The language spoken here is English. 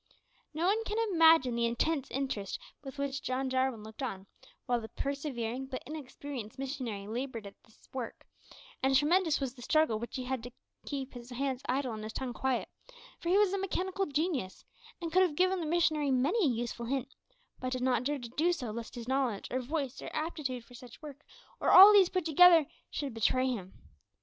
No one can imagine the intense interest with which John Jarwin looked on while the persevering but inexperienced missionary laboured at this work, and tremendous was the struggle which he had to keep his hands idle and his tongue quiet; for he was a mechanical genius, and could have given the missionary many a useful hint, but did not dare to do so lest his knowledge, or voice, or aptitude for such work, or all these put together, should betray him.